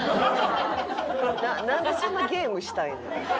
なんでそんなゲームしたいねん。